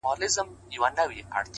ويل يې غواړم ځوانيمرگ سي’